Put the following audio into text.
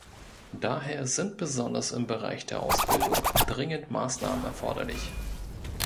Daher sind besonders im Bereich der Ausbildung dringend Maßnahmen erforderlich.